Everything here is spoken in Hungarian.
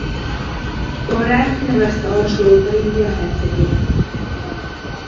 Konrád kinevezte Alsó-Lotaringia hercegének.